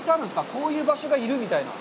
こういう場所がいるみたいな。